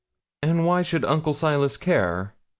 'And why should Uncle Silas care?'